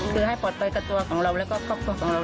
คือให้ปลอดภัยกับตัวของเราแล้วก็ครอบครัวของเรา